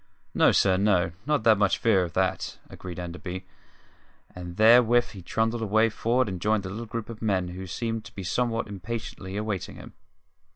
"No, sir, no; not much fear of that," agreed Enderby; and therewith he trundled away for'ard and joined a little group of men who seemed to be somewhat impatiently awaiting him.